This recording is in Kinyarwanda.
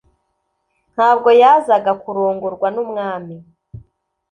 ntabwo yazaga kurongorwa n’umwami